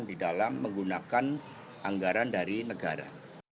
di dalam menggunakan anggaran dari negara